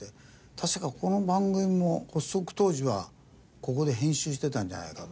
確かこの番組も発足当時はここで編集していたんじゃないかと。